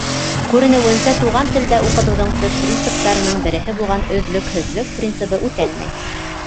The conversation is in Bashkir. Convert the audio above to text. Күренеүенсә, туған телдә уҡытыуҙың төп принциптарының береһе булған өҙлөкһөҙлөк принцибы үтәлмәй.